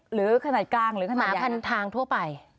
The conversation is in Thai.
หรือขนาดกลางหรือขนาดอย่างไรนะครับหมาพันทางทั่วไป